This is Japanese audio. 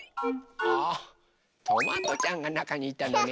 あトマトちゃんがなかにいたのね。